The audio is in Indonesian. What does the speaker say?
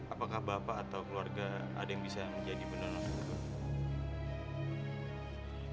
apakah bapak atau keluarga ada yang bisa menjadi penolong itu